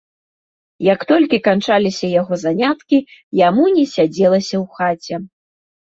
Як толькі канчаліся яго заняткі, яму не сядзелася ў хаце.